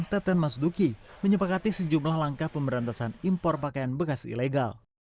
teten mas duki menyepakati sejumlah langkah pemberantasan impor pakaian bekas ilegal